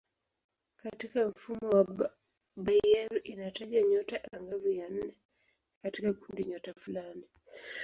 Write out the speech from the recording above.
Katika mfumo wa Bayer inataja nyota angavu ya nne katika kundinyota fulani.